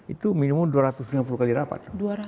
itu minimum dua ratus lima puluh kali rapat